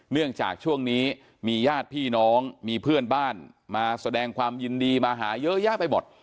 เนื่องจากช่วงนี้มีญาติพี่น้องมีเพื่อนบ้านมาแสดงความยินดีมาหาเยอะแยะไปหมด